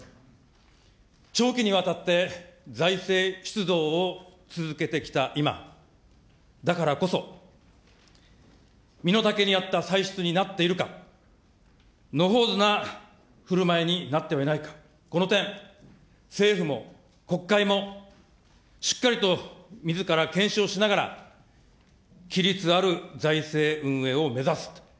長期にわたって財政出動を続けてきた今、だからこそ、身の丈に合った歳出になっているか、野放図なふるまいになってはいないか、この点、政府も国会もしっかりとみずから検証しながら、規律ある財政運営を目指すと。